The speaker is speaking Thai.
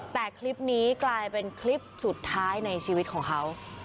แต่คลิปนี้กลายเป็นคลิปสุดท้ายในชีวิตของเขา